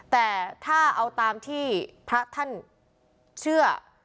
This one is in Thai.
แต่ถ้าเอาตามที่พระท่านเชื่อ